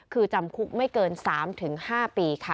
คือจำคุกไม่เกิน๓๕ปีค่ะ